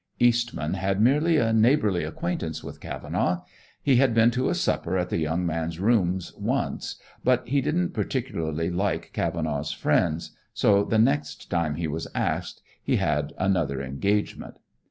Eastman had merely a neighborly acquaintance with Cavenaugh. He had been to a supper at the young man's rooms once, but he didn't particularly like Cavenaugh's friends; so the next time he was asked, he had another engagement.